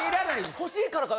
欲しいからかな